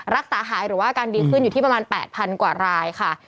รักษาหายหรือว่าอาการดีขึ้นอยู่ที่ประมาณ๘๐๐กว่ารายค่ะ